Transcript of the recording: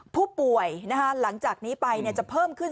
ผู้ป่วยหลังจากนี้ไปจะเพิ่มขึ้น